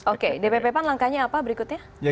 oke dpp pan langkahnya apa berikutnya